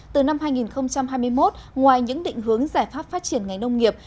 từ năm hai nghìn hai mươi một ngoài những định hướng giải pháp phát triển ngành nông nghiệp